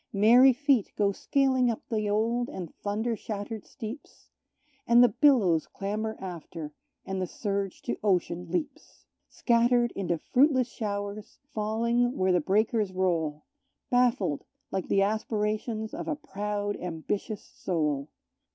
Merry feet go scaling up the old and thunder shattered steeps, And the billows clamber after, and the surge to ocean leaps, Scattered into fruitless showers, falling where the breakers roll, Baffled like the aspirations of a proud ambitious soul.